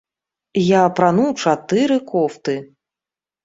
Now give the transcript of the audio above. Я апрануў чатыры кофты!